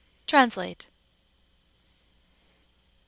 TRANSLATE 1.